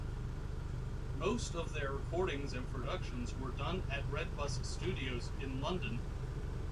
Most of their recordings and productions were done at Red Bus Studios in London.